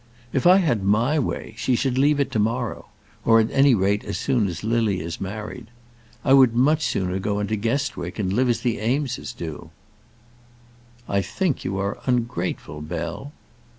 If I had my way, she should leave it to morrow or, at any rate, as soon as Lily is married. I would much sooner go into Guestwick, and live as the Eames do." "I think you are ungrateful, Bell."